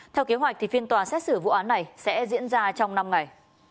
theo kế hoạch phiên tòa xét xử vụ án này sẽ diễn ra trong năm ngày